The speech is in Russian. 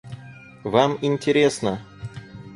Вам интересно.